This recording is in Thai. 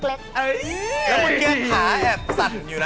แล้วบริเวณขาแอบสั่นอยู่นะ